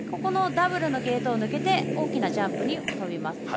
ダブルのゲートを抜けて大きなジャンプにとびます。